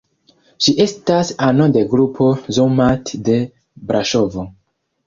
Ŝi estas ano de grupo "Zoom-art" de Braŝovo.